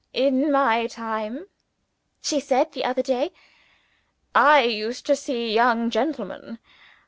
"In my time," she said the other day, "I used to see young gentlemen.